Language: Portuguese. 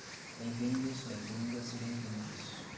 bem-vindos, bem-vindas e bem-vindes